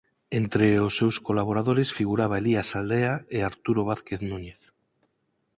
Entre os seus colaboradores figuraban Elías Aldea e Arturo Vázquez Núñez.